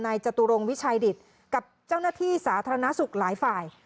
จตุรงวิชัยดิตกับเจ้าหน้าที่สาธารณสุขหลายฝ่าย